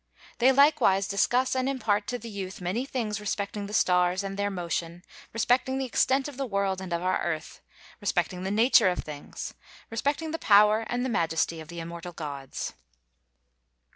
They likewise discuss and impart to the youth many things respecting the stars and their motion; respecting the extent of the world and of our earth; respecting the nature of things; respecting the power and the majesty of the immortal gods.